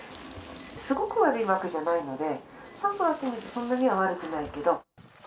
すごく悪いわけじゃないけど、酸素だけで見るとそんなには悪くないけど。